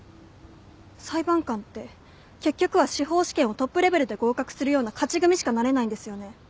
裁判官って結局は司法試験をトップレベルで合格するような勝ち組しかなれないんですよね？